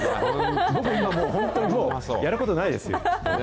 僕、今もう本当、やることないですよ、今。